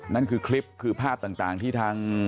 นั่นคือคลิปคือภาพต่างที่ทาง